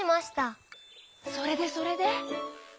それでそれで？